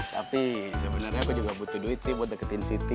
tapi sebenarnya aku juga butuh duit sih buat deketin city